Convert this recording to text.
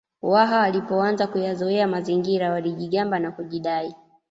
Waha walipoanza kuyazoea mazingira walijigamba na kujidai